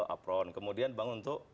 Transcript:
apron kemudian dibangun untuk